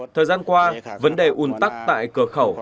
thời gian qua vấn đề ủn tắc tại cửa khẩu